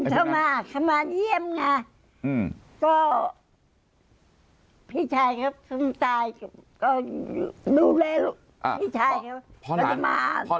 ยายทำยังไงต่อครับ